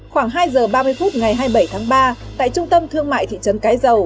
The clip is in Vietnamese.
khoảng hai giờ ba mươi phút ngày hai mươi bảy tháng ba tại trung tâm thương mại thị trấn cái dầu